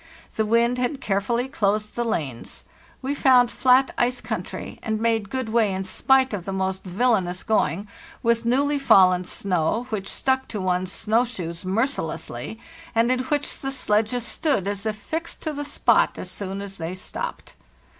The wind had carefully closed the lanes. We found flat ice country, and made good way in spite of the most villanous going, with newly fallen snow, which stuck to one's snow shoes mercilessly, and in which the sledges stood as if fixed to the spot as soon as they stopped.